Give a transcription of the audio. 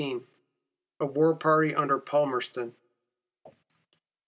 The War Party under Palmerston.